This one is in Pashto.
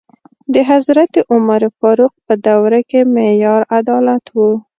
د حضرت عمر فاروق په دوره کې معیار عدالت و.